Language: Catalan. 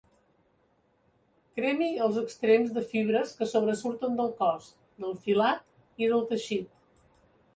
Cremi els extrems de fibres que sobresurten del cos, del filat i del teixit.